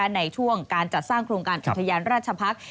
ในช่วงการจัดสร้างโครงการอุทยานราชพักษ์